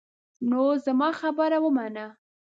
نو زما خبره ومنه.